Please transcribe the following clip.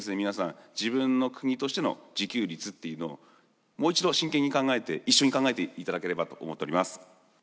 皆さん自分の国としての自給率っていうのをもう一度真剣に考えて一緒に考えていただければと思っております。